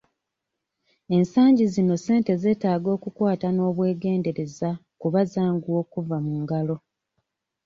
Ensangi zino ssente zeetaaga kukwata na bwegendereza kuba zanguwa okkuva mu ngalo.